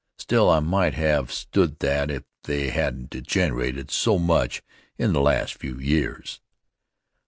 Still, I might have stood that if they hadn't degenerated so much in the last few years.